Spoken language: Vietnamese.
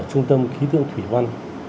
trung tâm khí tượng thủy văn